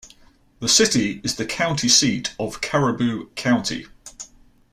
The city is the county seat of Caribou County.